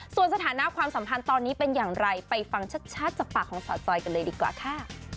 สถานะตอนนี้เป็นอย่างไรไปฟังชัดจากปากของสาวจอยกันเลยดีกว่าค่ะ